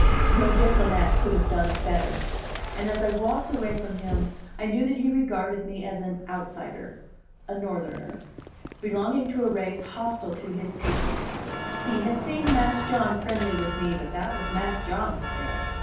No diplomat could have done it better; and as I walled away from him I knew that he regarded me as an outsider, a Northerner, belonging to a race hostile to his people; he had seen Mas' John friendly with me, but that was Mas' John's affair.